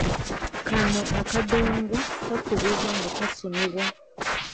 Kano akadongo kakubibwa nga kasunibwa.